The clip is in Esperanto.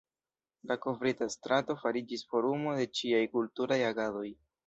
La kovrita strato fariĝis forumo de ĉiaj kulturaj agadoj.